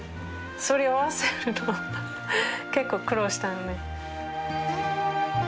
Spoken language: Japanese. それを合わせるの結構苦労したのね。